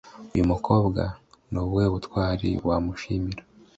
Uyu mukobwa, ni ubuhe butwari wamushimira